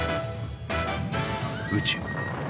宇宙。